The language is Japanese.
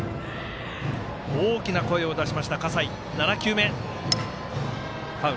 大きな声を出しました葛西。